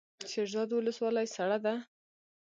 شیرزاد ولسوالۍ سړه ده؟